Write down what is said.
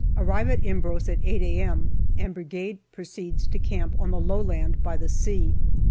Arrive at Imbros at 8 a.m., and Brigade proceeds to camp on the low land by the sea.